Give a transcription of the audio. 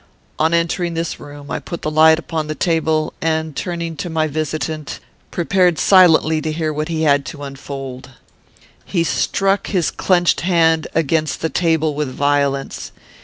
On entering this room, I put the light upon the table, and, turning to my visitant, prepared silently to hear what he had to unfold. He struck his clenched hand against the table with violence.